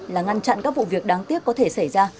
là ngăn chặn các vụ việc đáng tiếc có thể xảy ra